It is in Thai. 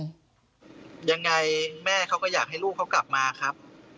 ยังไงแม่เขาก็อยากให้ลูกเขากลับมาครับ